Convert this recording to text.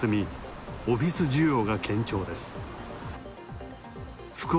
オフィス需要が堅調です。